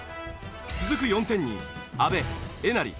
続く４点に阿部えなり